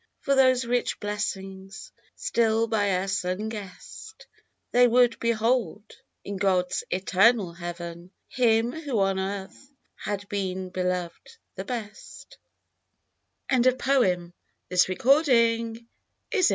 For those rich blessings, still by us unguess'd, They would behold, in God's eternal Heaven, Him who on earth had been beloved the best 30 "DO NOT FORGET ME!"